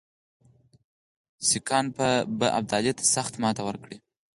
سیکهان به ابدالي ته سخته ماته ورکړي.